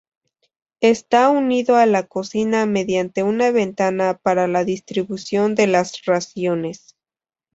Está unido a la cocina mediante una ventana para la distribución de las raciones.